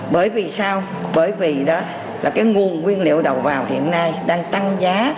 bởi vì sao bởi vì là nguồn nguyên liệu đầu vào hiện nay đang tăng giá